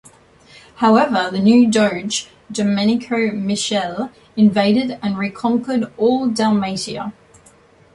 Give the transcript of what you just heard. However, the new Doge, Domenico Michele, invaded and reconquered all Dalmatia.